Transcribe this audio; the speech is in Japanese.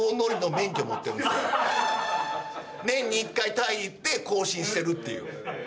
年に１回タイ行って更新してるっていう。